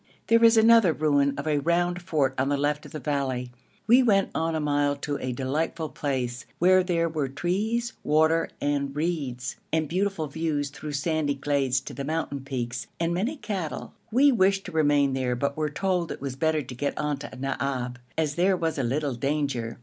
There is another ruin of a round fort on the left of the valley. We went on a mile to a delightful place, where there were trees, water, and reeds, and beautiful views through shady glades to the mountain peaks, and many cattle. We wished to remain there, but were told it was better to get on to Naab, as there was a little danger.